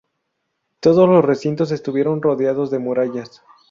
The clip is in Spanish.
Todos los recintos estuvieron rodeados de murallas.